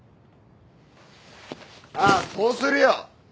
ああそうするよ！